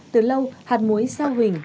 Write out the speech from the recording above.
từ lâu hạt muối sao huỳnh